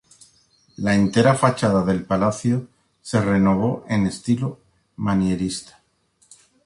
La entera fachada del palacio se renovó en estilo manierista.